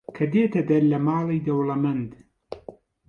کە دێتە دەر لە ماڵی دەوڵەمەند